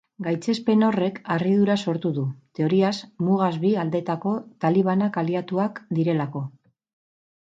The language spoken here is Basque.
Gaitzespen horrek harridura sortu du, teoriaz mugaz bi aldeetako talibanak aliatuak direlako.